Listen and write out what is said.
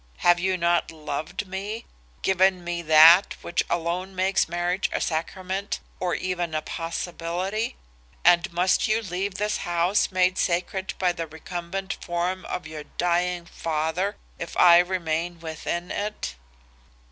Have you not loved me? given me that which alone makes marriage a sacrament or even a possibility? and must you leave this house made sacred by the recumbent form of your dying father if I remain within it?